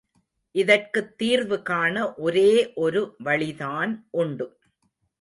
இதற்குத் தீர்வுகாண ஒரே ஒரு வழிதான் உண்டு.